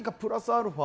アルファ